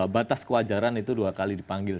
batas kewajaran itu dua kali dipanggil